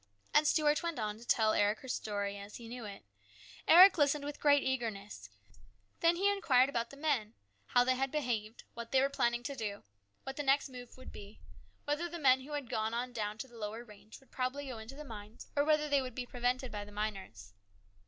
And Stuart went on to tell Eric her story as he knew it. Eric listened with great eagerness. Then he inquired about the men : how they had behaved, what they were AN EXCITING TIME. 125 planning to do, what the next move would be, whether the men who had gone on down to the lower range would probably go into the mines or whether they would be prevented by the miners.